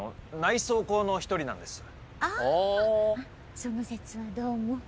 その節はどうも。